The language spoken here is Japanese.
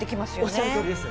おっしゃるとおりです。